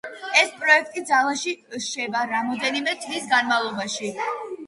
ეს პროექტი ძალაში შევა რამდენიმე თვის განმავლობაში.